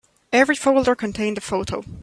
Every folder contained a photo.